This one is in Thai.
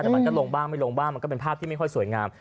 แต่มันก็ลงบ้างไม่ลงบ้างมันก็เป็นภาพที่ไม่ค่อยสวยงาม